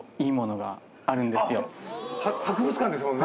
博物館ですもんね。